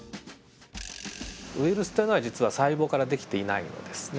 ウイルスっていうのは実は細胞からできていないのですね。